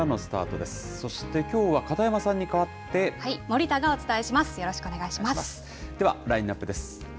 では、ラインナップです。